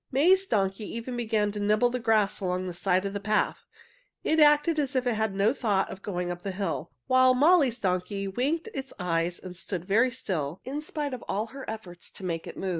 May's donkey even began to nibble the grass at the side of the path. It acted as if it had no thought of going up the hill, while Molly's donkey winked its eyes and stood very still, in spite of all her efforts to make it move.